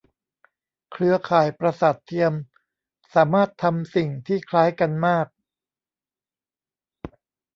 เครือข่ายประสาทเทียมสามารถทำสิ่งที่คล้ายกันมาก